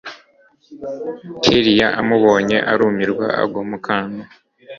kellia amubonye arumirwa agwa mukantu